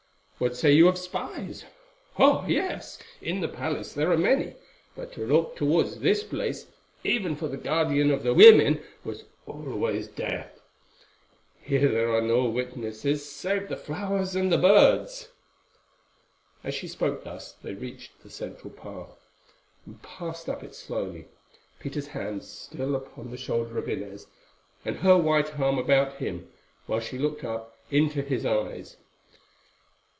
What say you of spies? Oh! yes, in the palace there are many, but to look towards this place, even for the Guardian of the Women, was always death. Here there are no witnesses, save the flowers and the birds." As she spoke thus they reached the central path, and passed up it slowly, Peter's hand still upon the shoulder of Inez, and her white arm about him, while she looked up into his eyes.